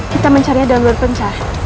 kita mencarinya dari luar pencah